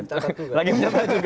saya lagi mencari